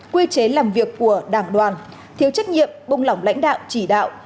quy chế làm việc của đảng đoàn thiếu trách nhiệm buông lỏng lãnh đạo chỉ đạo